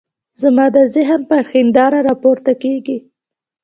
زما د ذهن پر هنداره را پورته کېږي.